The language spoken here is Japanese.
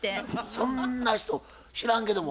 そんな人知らんけども。